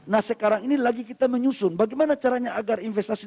nah sekarang ini lagi kita menyusun bagaimana caranya agar investasi